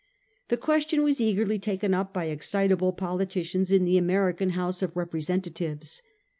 The question was eagerly taken up by excitable politicians in the American House of Representatives.